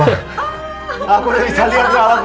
aku udah bisa lihat